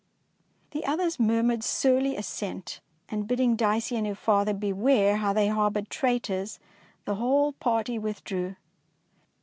'^ The others murmured surly assent, and bidding Dicey and her father beware how they harboured traitors, the whole party withdrew.